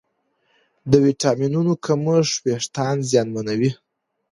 د ویټامینونو کمښت وېښتيان زیانمنوي.